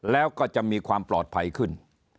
แล้วก็จะมีความปลอดภัยขึ้น